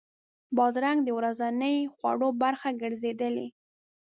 بادرنګ د ورځني خوړو برخه ګرځېدلې.